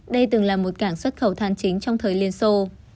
đây từng là một cảng xuất khẩu than chính trong thời liên xô